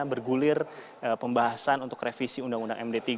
bergulir pembahasan untuk revisi undang undang md tiga